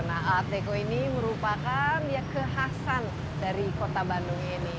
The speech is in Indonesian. nah art deco ini merupakan ya kekhasan dari kota bandung ini